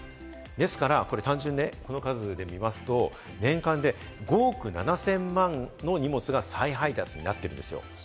ですから単純にね、この数で見ますと、年間で５億７０００万の荷物が再配達になっているんですよ。